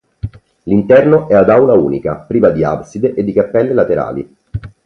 L'interno è ad aula unica, priva di abside e di cappelle laterali.